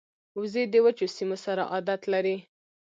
وزې د وچو سیمو سره عادت لري